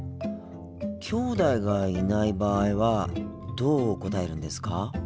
きょうだいがいない場合はどう答えるんですか？